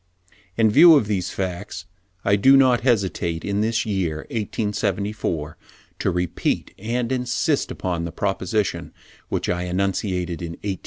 In view of these facts I do not hesitate in this year 1874, to repeat and insist upon the proposition which I enunciated in 1863: (74.